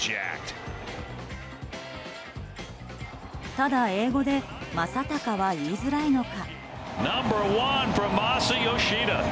ただ、英語で「マサタカ」は言いづらいのか。